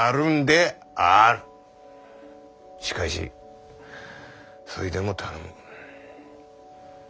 しかしそいでも頼む。